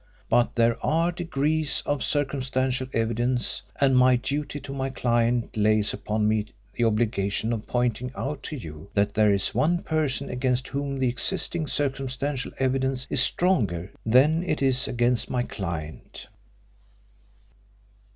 But there are degrees of circumstantial evidence, and my duty to my client lays upon me the obligation of pointing out to you that there is one person against whom the existing circumstantial evidence is stronger than it is against my client."